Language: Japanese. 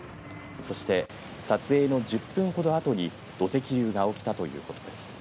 そして撮影の１０分ほどあとに土石流が起きたということです。